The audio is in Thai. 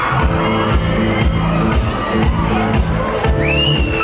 ไม่ต้องถามไม่ต้องถาม